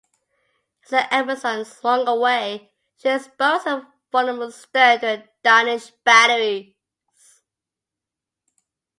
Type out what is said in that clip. As the "Amazon" swung away, she exposed her vulnerable stern to the Danish batteries.